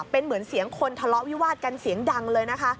เป็นเหมือนเสียงคนทะเลาะวิวาดกันเสียงดังเลยนะคะ